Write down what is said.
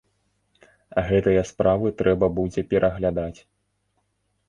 Гэтыя справы трэба будзе пераглядаць.